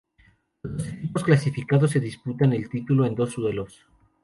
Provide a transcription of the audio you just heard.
Los dos equipos clasificados se disputan el titulo en dos duelos